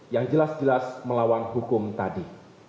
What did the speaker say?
yang jelas jelas melawan hukum tadi